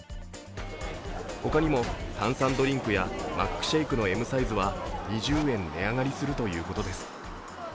他にも炭酸ドリンクやマックシェイクのＭサイズは２０円値上がりするということです。